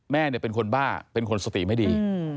แม่เป็นคนบ้าเป็นคนสติไม่ดี